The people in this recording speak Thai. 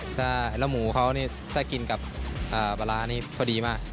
ใช่แล้วหมูเขานี่ถ้ากินกับปลาร้านี่พอดีมาก